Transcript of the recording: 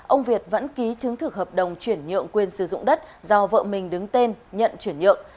ông việt vẫn ký chứng thực hợp đồng chuyển nhượng quyền sử dụng đất do vợ mình đứng tên nhận chuyển nhượng